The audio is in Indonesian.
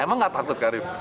emang nggak takut karim